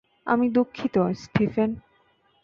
আমি দুঃখিত, স্টিফেন।